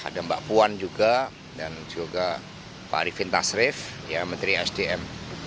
ada mbak puan juga dan juga pak arifin tasrif ya menteri sdm